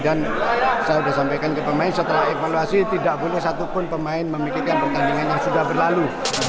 dan saya sudah sampaikan ke pemain setelah evaluasi tidak boleh satu pun pemain memikirkan pertandingan yang sudah berlalu